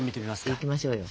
いきましょうよ。